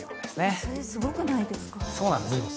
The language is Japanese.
それ、すごくないですか。